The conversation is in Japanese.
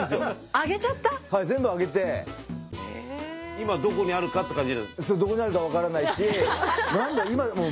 今どこにあるかって感じ？